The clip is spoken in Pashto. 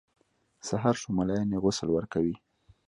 سهار شو ملایان یې غسل ورکوي.